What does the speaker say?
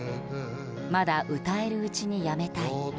まだ歌えるうちにやめたい。